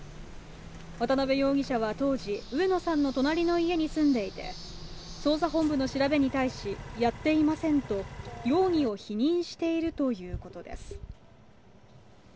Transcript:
渡部容疑者は当時、上野さんの隣の家に住んでいて、捜査本部の調べに対し、やっていませんと容疑を否認しているということです。